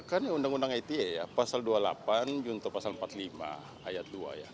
kan undang undang ite ya pasal dua puluh delapan juntuh pasal empat puluh lima ayat dua ya